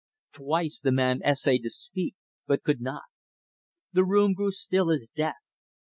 Twice, the man essayed to speak, but could not. The room grew still as death.